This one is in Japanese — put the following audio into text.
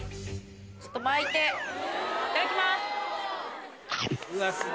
ちょっと巻いて、いただきます。